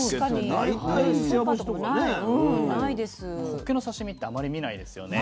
ほっけの刺身ってあまり見ないですよね。